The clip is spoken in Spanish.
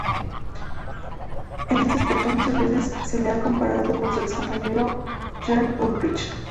En este aspecto muchas veces se le ha comparado con su ex-compañero Jan Ullrich.